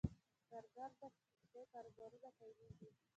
درګرده کوچني کاروبارونه پیلېږي